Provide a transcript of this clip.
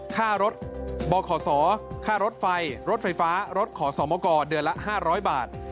ค่ารถบขศค่ารถไฟรถไฟฟ้ารถขอสมกรเดือนละ๕๐๐บาท